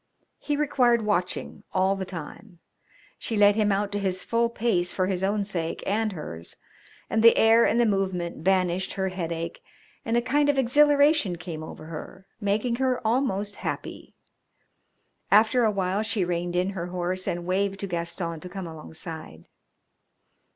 He required watching all the time. She let him out to his full pace for his own sake and hers, and the air and the movement banished her headache, and a kind of exhilaration came over her, making her almost happy. After a while she reined in her horse and waved to Gaston to come alongside.